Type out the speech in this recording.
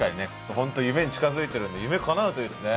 本当夢に近づいてるんで夢かなうといいですね。